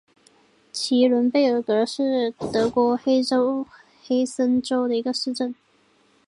齐伦贝尔格是德国黑森州的一个市镇。